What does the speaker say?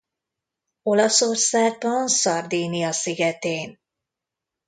Olaszországban Szardínia szigetén.